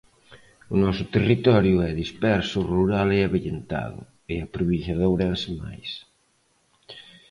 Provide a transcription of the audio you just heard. O noso territorio é disperso, rural e avellentado, e a provincia de Ourense máis.